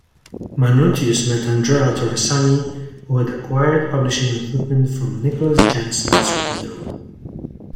Manutius met Andrea Torresani who had acquired publishing equipment from Nicholas Jensen's widow.